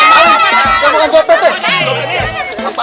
saya bukan copet deh